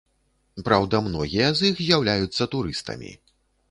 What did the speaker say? Праўда, многія з іх з'яўляюцца турыстамі.